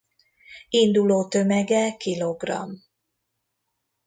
Induló tömege kilogramm.